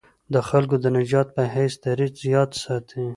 د خلکو د نجات په حیث دریځ یاد ساتي.